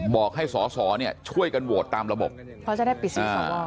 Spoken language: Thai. บอกให้สอสอเนี่ยช่วยกันโหวตตามระบบเพราะจะได้ปิดสอสอ